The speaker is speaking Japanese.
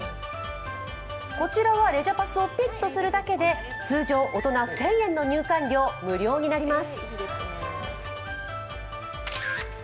こちらはレジャパス！をピッとするだけで通常、大人１０００円の入館料、無料になります。